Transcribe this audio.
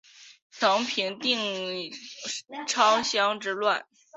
曾平定宕昌羌之乱。